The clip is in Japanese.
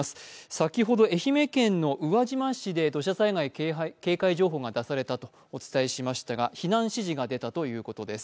先ほど愛媛県の宇和島市で土砂災害警戒情報が出されたとお伝えしましたが避難指示が出たということです。